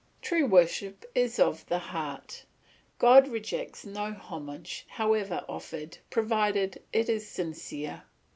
True worship is of the heart. God rejects no homage, however offered, provided it is sincere.